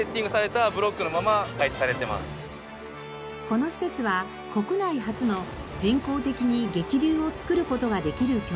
この施設は国内初の人工的に激流を作る事ができる競技場です。